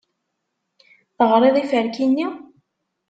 Teɣriḍ iferki-nni?